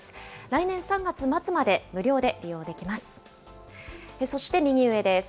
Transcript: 来年３月末まで無料で利用できます。